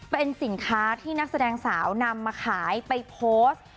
เป็นสินค้าที่นักแสดงสาวนำมาขายไปโพสต์